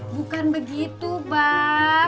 bukan begitu bang